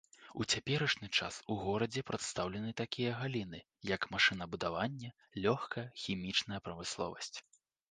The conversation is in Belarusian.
У цяперашні час у горадзе прадстаўлены такія галіны, як машынабудаванне, лёгкая, хімічная прамысловасць.